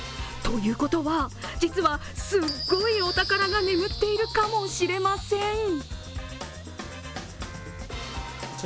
ということは、実はすごいお宝が眠っているかもしれません。